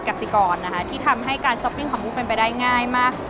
กสิกรนะคะที่ทำให้การช้อปปิ้งของมุกเป็นไปได้ง่ายมาก